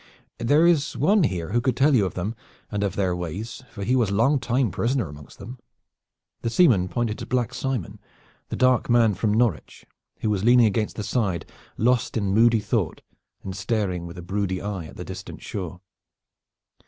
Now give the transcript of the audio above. There is one here who could tell you of them and of their ways, for he was long time prisoner amongst them." The seaman pointed to Black Simon, the dark man from Norwich, who was leaning against the side lost in moody thought and staring with a brooding eye at the distant shore.